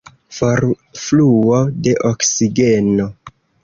Forfluo de oksigeno.